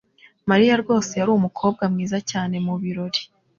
Mariya rwose yari umukobwa mwiza cyane mubirori.